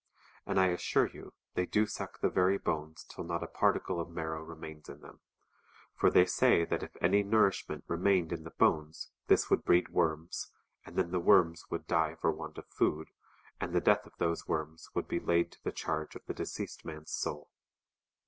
And I assure you they do suck the very bones till not a particle of marrow remains in them; for they say that if any nourishment remained in the bones this would breed worms, and then the worms would die for want of food, and the death of those worms would be laid to the charge of the deceased man's soul.